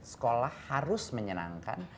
sekolah harus menyenangkan